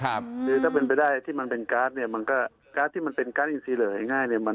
คือถ้าเป็นไปได้ที่มันเป็นการ์ดเนี่ยมันก็การ์ดที่มันเป็นการ์ดอินซีเหลือง่ายเนี่ย